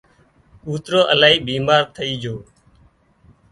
ڪوترو الاهي بيمار ٿئي جھو